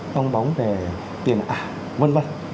bong bóng về tiền ả vân vân